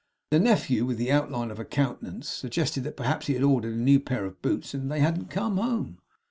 The nephew with the outline of a countenance, suggested that perhaps he had ordered a new pair of boots, and they hadn't come home.